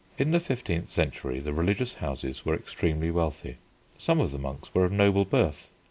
In the fifteenth century the religious houses were extremely wealthy. Some of the monks were of noble birth.